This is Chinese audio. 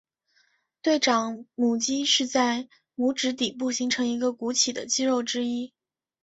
对掌拇肌是在拇指底部形成一个鼓起的肌肉之一。